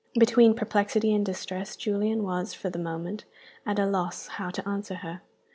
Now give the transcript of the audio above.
Between perplexity and distress Julian was, for the moment, at a loss how to answer her.